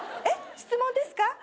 質問ですか？